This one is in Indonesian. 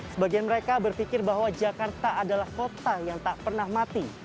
sebagian mereka berpikir bahwa jakarta adalah kota yang tak pernah mati